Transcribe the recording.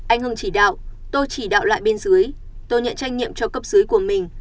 anh hưng chỉ đạo tôi chỉ đạo lại bên dưới tôi nhận trách nhiệm cho cấp dưới của mình